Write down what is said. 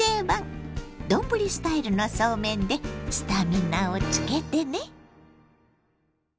丼スタイルのそうめんでスタミナをつけてね。